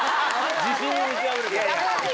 自信に満ちあふれて。